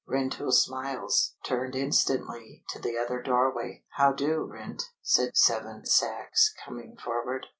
Rentoul Smiles turned instantly to the other doorway. "How do, Rent?" said Seven Sachs, coming forward.